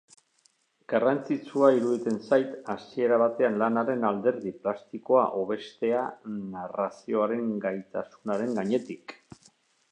Garrantzitsua iruditzen zait hasiera batean lanaren alderdi plastikoa hobestea narrazioaren gaitasunaren gainetik.